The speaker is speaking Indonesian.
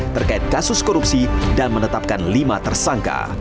terkait kasus korupsi dan menetapkan lima tersangka